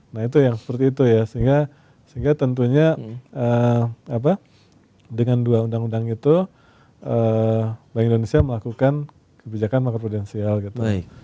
nah itu yang seperti itu ya sehingga tentunya dengan dua undang undang itu bank indonesia melakukan kebijakan mark prudensial gitu